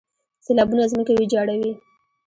سیلابونه ځمکې ویجاړوي.